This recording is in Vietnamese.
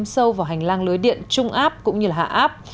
sâu vào hành lang lưới điện trung áp cũng như hạ áp